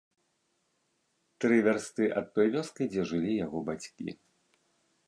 Тры вярсты ад той вёскі, дзе жылі яго бацькі.